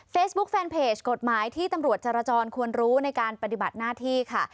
แฟนเพจกฎหมายที่ตำรวจจรจรควรรู้ในการปฏิบัติหน้าที่ค่ะ